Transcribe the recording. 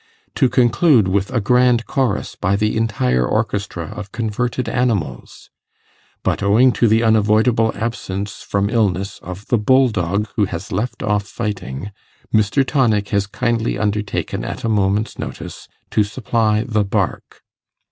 To conclude with a GRAND CHORUS by the Entire Orchestra of Converted Animals!! But owing to the unavoidable absence (from illness) of the Bulldog, who has left off fighting, Mr. Tonic has kindly undertaken, at a moment's notice, to supply the '_bark!